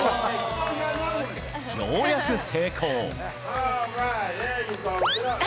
ようやく成功。